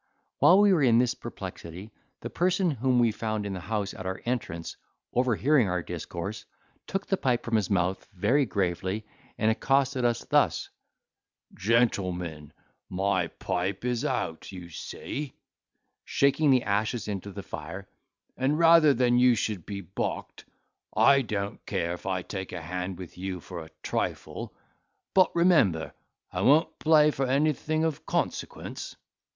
While we were in this perplexity the person whom we found in the house at our entrance, overhearing our discourse, took the pipe from his mouth very gravely, and accosted us thus: "Gentlemen, my pipe is out, you see," shaking the ashes into the fire, "and rather than you should be balked, I don't care if I take a hand with you for a trifle—but remember I won't play for anything of consequence."